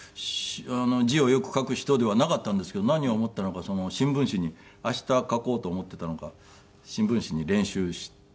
字をよく書く人ではなかったんですけど何を思ったのか新聞紙に明日書こうと思っていたのか新聞紙に練習していたみたいで。